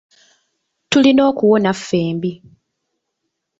Tulina okuwona ffembi.